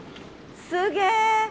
すげえ！